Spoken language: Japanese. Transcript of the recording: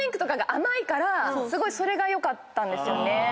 すごいそれがよかったんですよね。